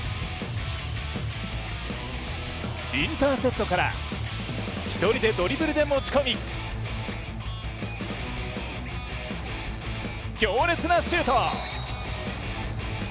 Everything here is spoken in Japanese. インターセプトから１人でドリブルで持ち込み、強烈なシュート！